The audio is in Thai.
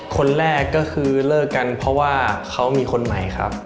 คนแรกก็คือเลิกกันเพราะว่าเขามีคนใหม่ครับ